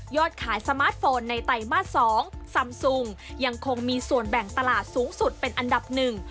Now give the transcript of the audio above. ขายสมาร์ทโฟนในไตรมาส๒ซำซุงยังคงมีส่วนแบ่งตลาดสูงสุดเป็นอันดับหนึ่ง